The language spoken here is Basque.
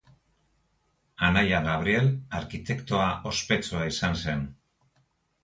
Anaia Gabriel arkitektoa ospetsua izan zen.